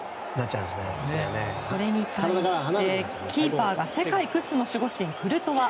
これに対してキーパーは世界屈指の守護神、クルトワ。